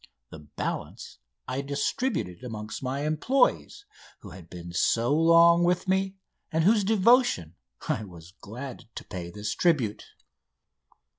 The balance I distributed among my employees, who had been so long with me and to whose devotion I was glad to pay this tribute.